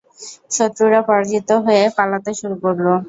শত্রুরা পরাজিত হয়ে পালাতে শুরু করলো।